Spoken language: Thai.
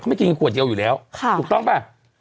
ไม่กินขวดเดียวอยู่แล้วถูกต้องป่ะ